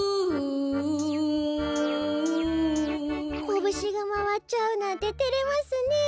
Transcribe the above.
コブシがまわっちゃうなんててれますねえ。